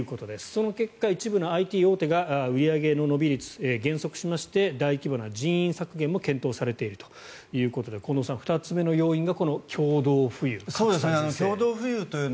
その結果、一部のＩＴ大手が売り上げの伸び率、減速しまして大規模な人員削減も検討されているということで近藤さん、２つ目の要因が共同富裕という。